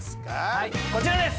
はいこちらです。